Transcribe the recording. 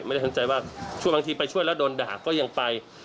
ไม่ได้สนใจว่าร่วมที่ช่วยซึ่งโดนด่าก็ยังไป